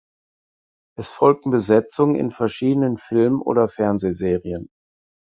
Es folgten Besetzungen in verschiedenen Filmen oder Fernsehserien.